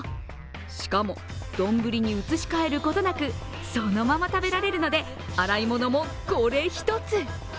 しかもどんぶりに移し替えることなくそのまま食べられるので、洗い物もこれ一つ。